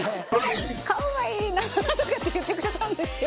「かわいいなぁ」とかって言ってくれたんですよ。